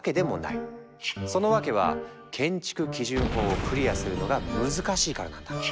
その訳は建築基準法をクリアするのが難しいからなんだ。